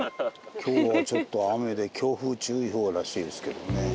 今日はちょっと雨で強風注意報らしいですけどね。